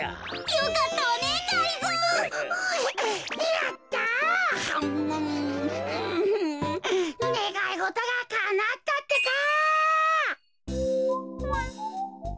ねがいごとがかなったってか！